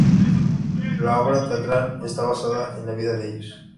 La obra teatral esta basada en la vida de ellos.